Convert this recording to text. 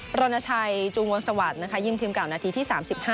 รณชัยจูงวนสวัสดิ์นะคะยิงทีมเก่านาทีที่๓๕